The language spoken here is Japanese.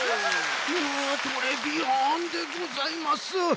トレビアンでございます！